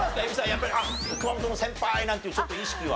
やっぱり「あっ熊本の先輩」なんていうちょっと意識は？